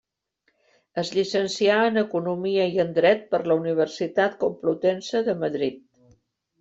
Es llicencià en economia i en dret per la Universitat Complutense de Madrid.